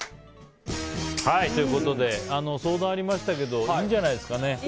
相談ありましたけどいいんじゃないですかね。